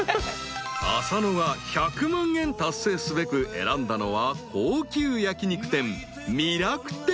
［浅野が１００万円達成すべく選んだのは高級焼き肉店］